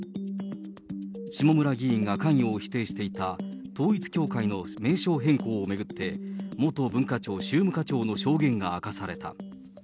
下村議員が関与を否定していた、統一教会の名称変更を巡って、元文化庁宗務課長の証言が明かされた。